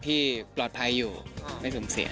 ที่ปลอดภัยอยู่ไม่สูญเสีย